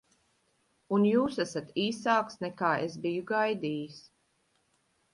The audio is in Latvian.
Un jūs esat īsāks, nekā es biju gaidījis.